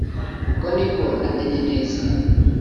ubwo nibwo namenye neza